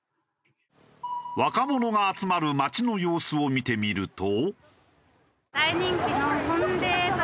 若者が集まる街の様子を見てみると。